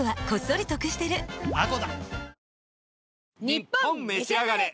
『ニッポンめしあがれ』。